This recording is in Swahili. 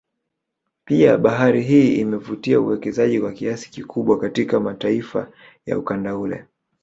Pia bahari hii imevutia uwekezaji kwa kiasi kikubwa katika mataifa ya ukanda ule